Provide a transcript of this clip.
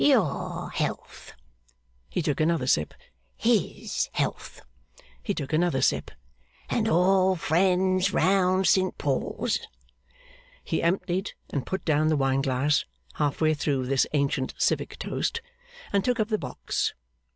'Your health!' He took another sip. 'His health!' He took another sip. 'And all friends round St Paul's.' He emptied and put down the wine glass half way through this ancient civic toast, and took up the box.